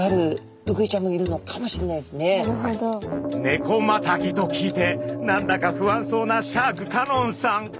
ネコマタギと聞いてなんだか不安そうなシャーク香音さん。